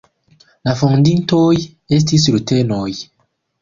La fondintoj estis rutenoj.